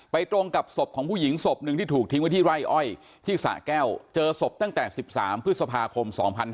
ตรงกับศพของผู้หญิงศพหนึ่งที่ถูกทิ้งไว้ที่ไร่อ้อยที่สะแก้วเจอศพตั้งแต่๑๓พฤษภาคม๒๕๕๙